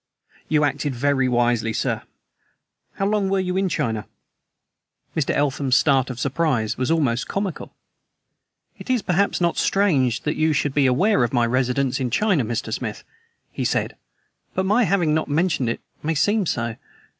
You acted very wisely, sir. How long were you in China?" Mr. Eltham's start of surprise was almost comical. "It is perhaps not strange that you should be aware of my residence in China, Mr. Smith," he said; "but my not having mentioned it may seem so.